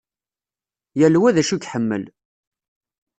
Yal wa d acu i iḥemmel.